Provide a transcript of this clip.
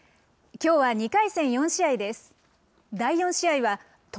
きょうは２回戦４試合です。